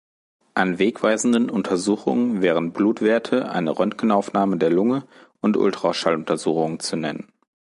An wegweisenden Untersuchungen wären Blutwerte, eine Röntgenaufnahme der Lunge und Ultraschalluntersuchungen zu nennen.